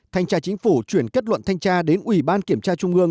thanh tra chính phủ chuyển kết luận thanh tra đến ủy ban kiểm tra trung ương